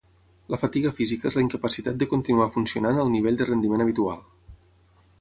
La fatiga física és la incapacitat de continuar funcionant al nivell de rendiment habitual.